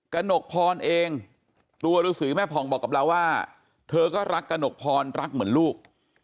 หนกพรเองตัวฤษีแม่ผ่องบอกกับเราว่าเธอก็รักกระหนกพรรักเหมือนลูก